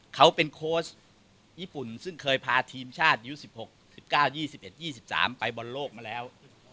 เขาเป็นโค้ชญี่ปุ่นซึ่งเคยพาทีมชาติอายุ๑๖๑๙๒๑๒๓ไปบอลโลกมาแล้ว